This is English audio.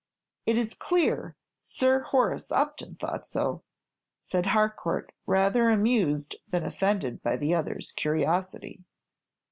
"It is clear Sir Horace Upton thought so," said Harcourt, rather amused than offended by the other's curiosity.